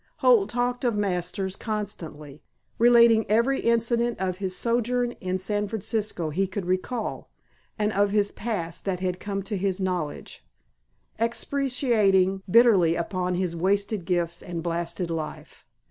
Holt talked of Masters constantly, relating every incident of his sojourn in San Francisco he could recall, and of his past that had come to his knowledge; expatiating bitterly upon his wasted gifts and blasted life.